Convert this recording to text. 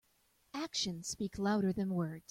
Actions speak louder than words.